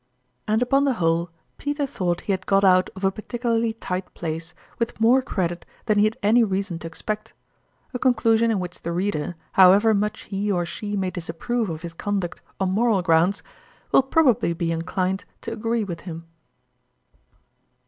And, upon the whole, Peter thought he had got out of a particularly tight place with more credit than he had any reason to expect a con clusion in which the reader, however much he or she may disapprove of his conduct on moral grounds, will probably be inclined to agree with him.